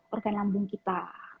organ lambung kita